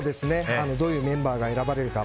どういうメンバーが選ばれるか。